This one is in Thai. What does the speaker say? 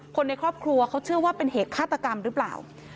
คนในครอบครัวเขาเชื่อว่าเป็นเหตุฆาตกรรมหรือเปล่า